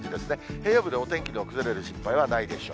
平野部でお天気の崩れる心配はないでしょう。